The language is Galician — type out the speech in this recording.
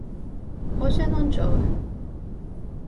Hoxe non chove